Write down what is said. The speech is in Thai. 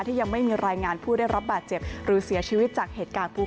ยังไม่มีรายงานผู้ได้รับบาดเจ็บหรือเสียชีวิตจากเหตุการณ์ผู้